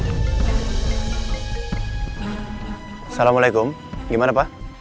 assalamualaikum gimana pa